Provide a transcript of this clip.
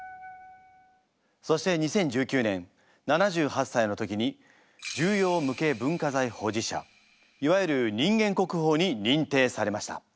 そして２０１９年７８歳の時に重要無形文化財保持者いわゆる人間国宝に認定されました。